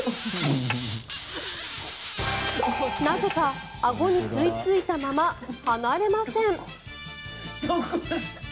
なぜか、あごに吸いついたまま離れません。